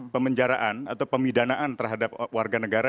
pemenjaraan atau pemidanaan terhadap warga negara